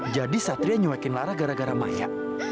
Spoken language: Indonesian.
jadi satria nyewekin lara gara gara maya